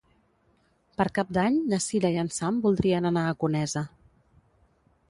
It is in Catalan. Per Cap d'Any na Cira i en Sam voldrien anar a Conesa.